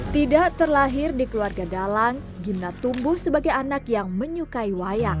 tidak terlahir di keluarga dalang gimna tumbuh sebagai anak yang menyukai wayang